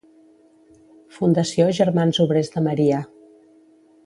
Fundació Germans Obrers de Maria.